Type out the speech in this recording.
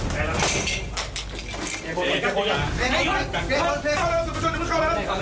มาค่ะ